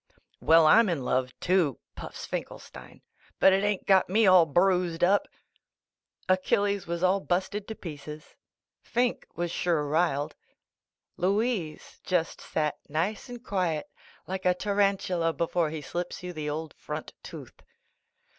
"Well, I'm in love, too," puffs Finkel stein, "but it aint got me all bruised up !" Achilles was all busted to pieces. "Finke" was sure riled. Louise just sat nice and quiet like a tarantula before he slips you the old front tooth.